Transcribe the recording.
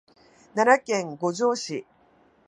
奈良県五條市